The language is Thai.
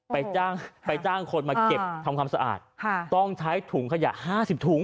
ไปจ้างไปจ้างคนมาเก็บทำความสะอาดค่ะต้องใช้ถุงขยะห้าสิบถุง